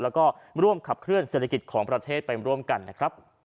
แล้วก็ร่วมขับเคลื่อเศรษฐกิจของประเทศไปร่วมกันนะครับ